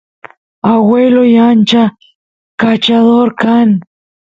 agueloy ancha kachador kan